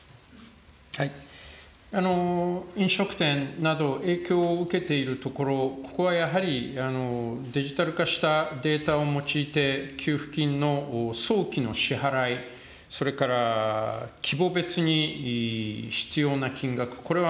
飲食店など、影響を受けているところ、ここはやはりデジタル化したデータを用いて、給付金の早期の支払い、それから規模別に必要な金額、これは